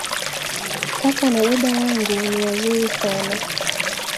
Kaka na dada yangu ni wazuri sana